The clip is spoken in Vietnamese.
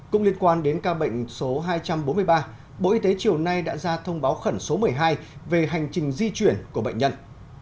cũng liên quan đến ca bệnh số hai trăm bốn mươi ba bộ y tế chiều nay đã ra thông báo khẩn số một mươi hai về hành trình di chuyển của bệnh nhân